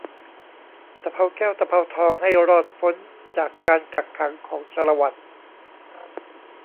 ตะเภาแก้ว ตะเภาทอง ให้รอดพ้นจากการกักขังของ ชาละวัน